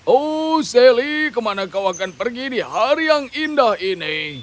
oh sally kemana kau akan pergi di hari yang indah ini